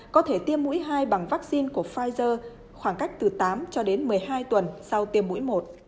có thể tiêm mũi hai bằng vaccine của pfizer khoảng cách từ tám cho đến một mươi hai tuần sau tiêm mũi một